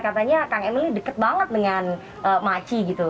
katanya kang emil ini dekat banget dengan makci gitu